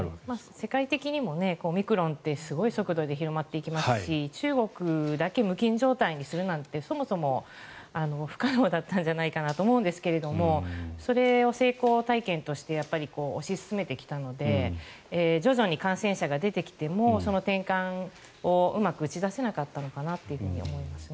世界的にもオミクロンってすごい速度で広まっていきますし中国だけ無菌状態にするなんてそもそも不可能だったんじゃないかなと思うんですけどそれを成功体験として推し進めてきたので徐々に感染者が出てきてもその転換をうまく打ち出せなかったのかなと思いますね。